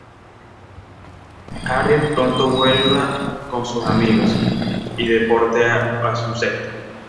Harriet pronto vuelva con sus amigos, y Deporte hace un cesto.